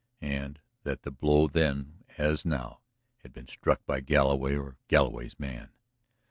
. and that the blow then as now had been struck by Galloway or Galloway's man.